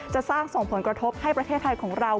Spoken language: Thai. จะสร้างส่งผลกระทบให้ประเทศไทยของเรา